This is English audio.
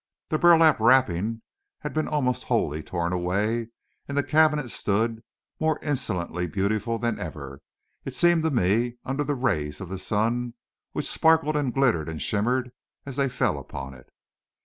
The burlap wrappings had been almost wholly torn away, and the cabinet stood, more insolently beautiful than ever, it seemed to me, under the rays of the sun, which sparkled and glittered and shimmered as they fell upon it.